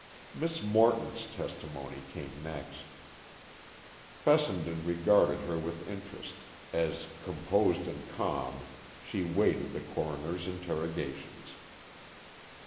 Miss Morton's testimony came next. Fessenden regarded her with interest, as, composed and calm, she waited the coroner's interrogations.